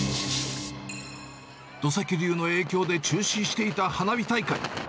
土石流の影響で中止していた花火大会。